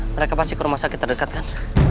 mereka pasti ke rumah sakit terdekat kan